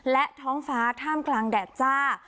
และท้องฟ้าท่ามกลางแดดจ้า